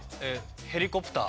ヘリコプター。